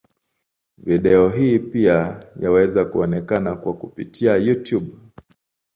Video hii pia yaweza kuonekana kwa kupitia Youtube.